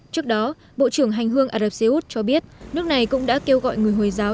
trước đó bộ trưởng hành hương ả rập xê út cho biết nước này cũng đã kêu gọi người hồi giáo